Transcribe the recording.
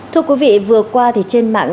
thưa quý vị vừa qua thì trên mạng